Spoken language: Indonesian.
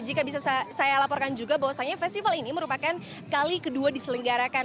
jika bisa saya laporkan juga bahwasannya festival ini merupakan kali kedua diselenggarakan